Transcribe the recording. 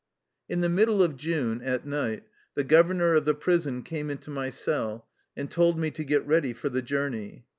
In the middle of June, at night, the governor of the prison came into my cell and told me to get ready for the journey.